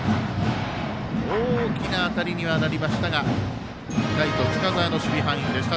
大きな当たりにはなりましたがライト、近澤の守備範囲でした。